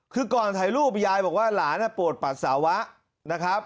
คือก่อนถ่ายรูปยายบอกว่าหลานปวดปัสสาวะนะครับ